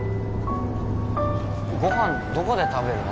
どこで食べるの？